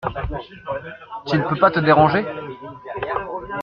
Tu ne peux pas te déranger ?